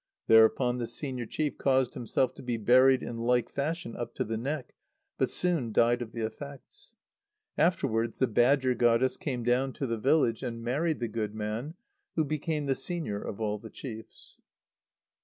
Thereupon the senior chief caused himself to be buried in like fashion up to the neck, but soon died of the effects. Afterwards the badger goddess came down to the village, and married the good man, who became the senior of all the chiefs.